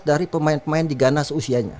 dari pemain pemain di ghana seusianya